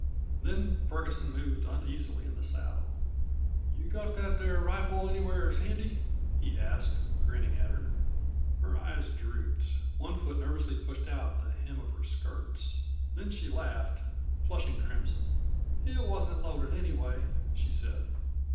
Then Ferguson moved uneasily in the saddle. "You got that there rifle anywheres handy?" he asked, grinning at her. Her eyes drooped; one foot nervously pushed out the hem of her skirts. Then she laughed, flushing crimson. "It wasn't loaded anyway," she said.